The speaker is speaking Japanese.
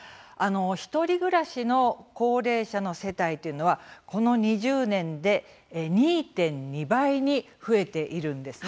１人暮らしの高齢者の世帯というのはこの２０年で２．２倍に増えているんです。